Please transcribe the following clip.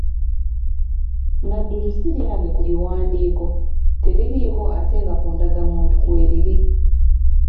Nadduli siryange ku biwandiiko teririiko ate nga ku ndagamuntu kweriri.